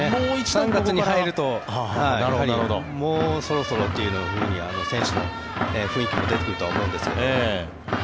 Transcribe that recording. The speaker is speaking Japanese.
３月に入るともうそろそろというふうに選手の雰囲気も出てくるとは思いますが。